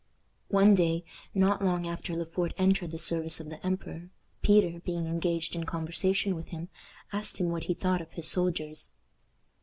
One day, not long after Le Fort entered the service of the emperor, Peter, being engaged in conversation with him, asked him what he thought of his soldiers.